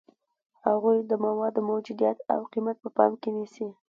هغوی د موادو موجودیت او قیمت په پام کې نیسي.